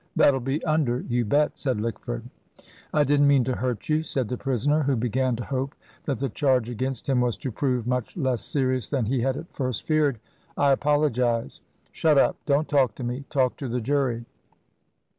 "That'll be under, you bet," said Lickford. "I didn't mean to hurt you," said the prisoner, who began to hope that the charge against him was to prove much less serious than he had at first feared, "I apologise." "Shut up, don't talk to me talk to the jury."